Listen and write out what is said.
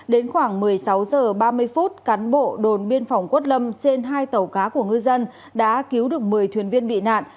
đến khoảng một mươi sáu h ba mươi phút cán bộ đồn biên phòng quất lâm trên hai tàu cá của ngư dân đã cứu được một mươi thuyền viên bị nạn